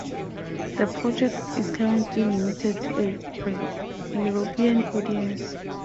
The project is currently limited to a European audience.